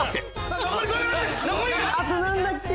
あと何だっけ？